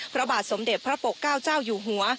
พระบาทสมเด็จพระปกเก้าเจ้าอยู่หัว